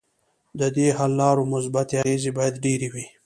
ددې حل لارو مثبتې اغیزې باید ډیرې وي.